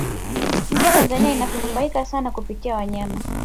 nchi ya tanzania inanufaika sana kupitia wanyama